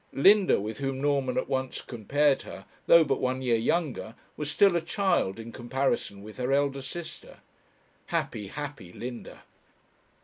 Linda, with whom Norman at once compared her, though but one year younger, was still a child in comparison with her elder sister. Happy, happy Linda!